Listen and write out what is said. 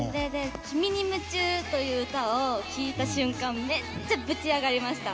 それで「君に夢中」という歌を聴いた瞬間めっちゃぶちアガりました。